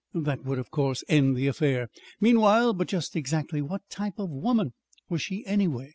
That would, of course, end the affair. Meanwhile But just exactly what type of woman was she, anyway?